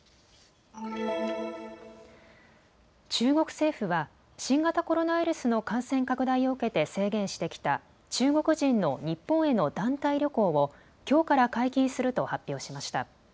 中国政府は新型コロナウイルスの感染拡大を受けて制限してきた中国人の日本への団体旅行をきょうから解禁すると発表しました。